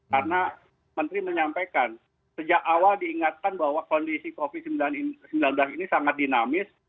karena menteri menyampaikan sejak awal diingatkan bahwa kondisi covid sembilan belas ini sangat dinamis